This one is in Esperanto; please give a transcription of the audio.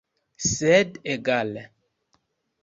Sed egale.